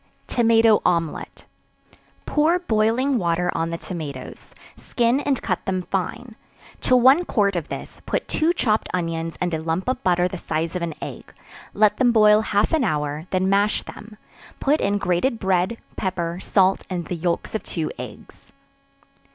Tomato Omelet. Pour boiling water on the tomatoes, skin and cut them fine; to one quart of this, put two chopped onions and a lump of butter the size of an egg; let them boil half an hour, then mash them; put in grated bread, pepper, salt, and the yelks of two eggs.